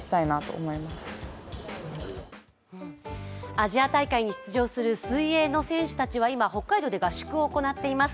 アジア大会に出場する水泳の選手たちは今、北海道で合宿を行っています。